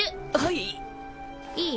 いい？